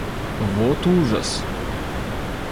Вот ужас!